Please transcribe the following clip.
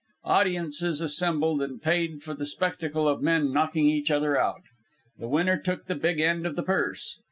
Audiences assembled and paid for the spectacle of men knocking each other out. The winner took the big end of the purse.